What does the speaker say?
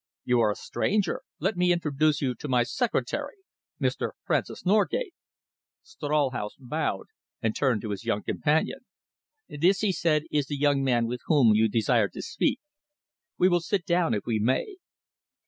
You are a stranger. Let me introduce to you my secretary, Mr. Francis Norgate." Stralhaus bowed and turned to his young companion. "This," he said, "is the young man with whom you desired to speak. We will sit down if we may.